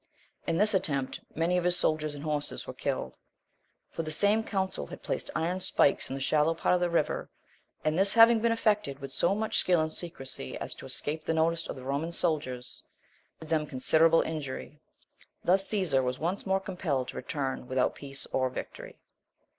In this attempt many of his soldiers and horses were killed; for the same consul had placed iron pikes in the shallow part of the river, and this having been effected with so much skill and secrecy as to escape the notice of the Roman soldiers, did them considerable injury; thus Caesar was once more compelled to return without peace or victory.